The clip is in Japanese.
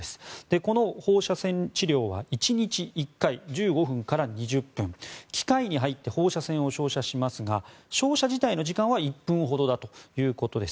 この放射線治療は１日１回、１５分から２０分機械に入って放射線を照射しますが照射自体の時間は１分ほどだということです。